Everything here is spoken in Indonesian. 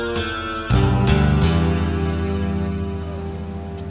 kamu pasti gak mau beli